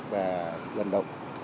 và vận động